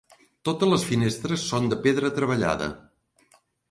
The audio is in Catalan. Totes les finestres són de pedra treballada.